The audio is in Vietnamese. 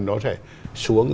nó sẽ xuống